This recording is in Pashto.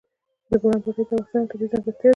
د بولان پټي د افغانستان یوه طبیعي ځانګړتیا ده.